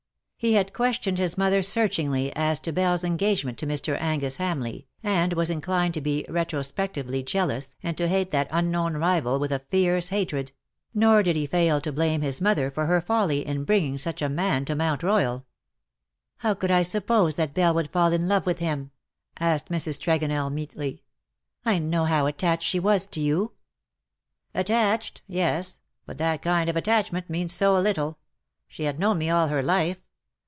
He had questioned his mother searchingly as to Belle's engagement to Mr. Angus Hamlcigh, and was inclined to be retrospectively jealous, and to hate that unknown rival with a fierce hatred; nor 72 " LOVE WILL HAVE HIS DAY." did he fail to blame his mother for her folly in bringing such a man to Mount Royal. " How could I suj)pose that Belle would fall in love with him ?'■' asked Mrs. Tregonell, meekly. '^ I knew how attached she was to you."*' " Attached ? yes ; but that kind of attachment means so little. She had known me all her life.